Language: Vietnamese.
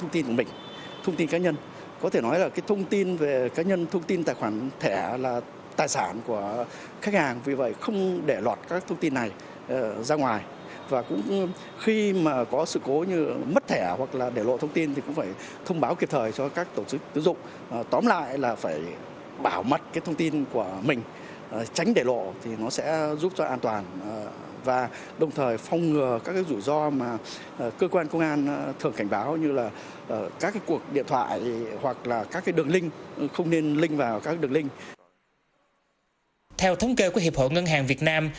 theo thống kê của hiệp hội ngân hàng việt nam